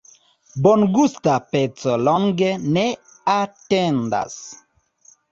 Bongusta peco longe ne atendas.